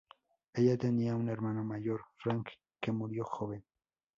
Ella tenía un hermano mayor Frank que murió joven.